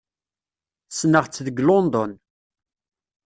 Ssneɣ-tt deg London.